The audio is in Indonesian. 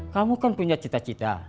kamu kan punya cita cita